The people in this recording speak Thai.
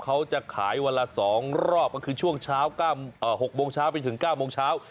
เขาจะขายวันละ๒รอบก็คือช่วงเช้า๖โมงเช้าไปถึง๙โมงเช้า